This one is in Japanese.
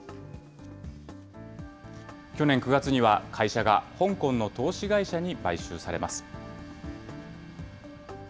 去年９月には、会社が香港の投資会社に買収されます。